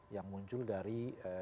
yang muncul dari